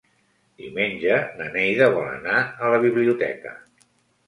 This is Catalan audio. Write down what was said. Diumenge na Neida vol anar a la biblioteca.